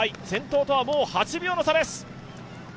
先頭とはもう８秒差です。